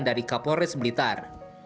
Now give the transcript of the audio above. dari kapolres blitar